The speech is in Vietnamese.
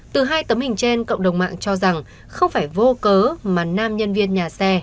từ hai tấm hình trên cộng đồng mạng cho rằng không phải vô cớ mà nam nhân viên nhà xe